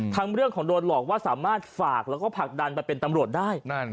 เรื่องของโดนหลอกว่าสามารถฝากแล้วก็ผลักดันไปเป็นตำรวจได้